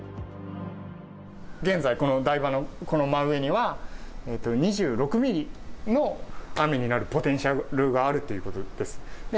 現在、この台場の真上には、２６ミリの雨になるポテンシャルがあるということです。